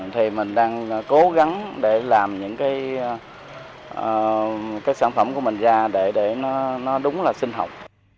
thì mình đang cố gắng để làm những cái sản phẩm của mình ra để nó đúng là sinh học